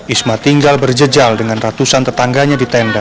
isma tinggal berjejal dengan ratusan tetangganya di tenda